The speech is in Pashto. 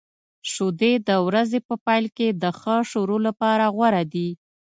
شیدې د ورځې په پیل کې د ښه شروع لپاره غوره دي.